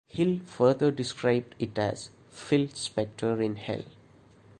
Hill further described it as "Phil Spector in Hell".